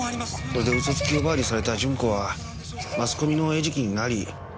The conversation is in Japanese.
それで嘘つき呼ばわりされた順子はマスコミの餌食になり。